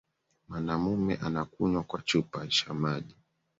Mwanamume anakunywa kwa chupa cha maji